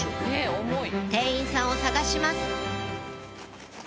店員さんを探します